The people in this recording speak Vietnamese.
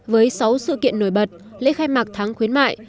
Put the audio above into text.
với sáu sự kiện nổi bật lễ khai mạc tháng khuyến mại